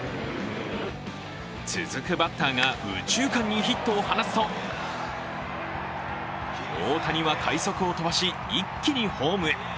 続くバッターが右中間にヒットを放つと、大谷は快足を飛ばし、一気にホームへ。